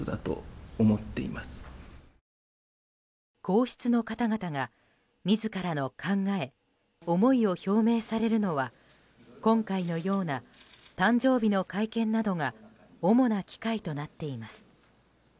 皇室の方々が、自らの考え・思いを表明されるのは今回のような誕生日の会見などが主な機会となっています。